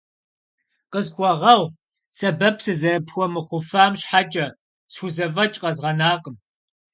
Къысхуэгъэгъу сэбэп сызэрыпхуэмыхъуфам щхьэкӏэ, схузэфӏэкӏ къэзгъэнакъым.